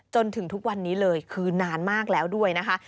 จนถึงทุกวันนี้เลยคือนานมากแล้วด้วยนะคะ